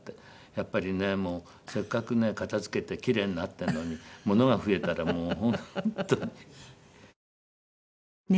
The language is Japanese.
やっぱりねせっかくね片付けてキレイになってるのに物が増えたらもう本当に。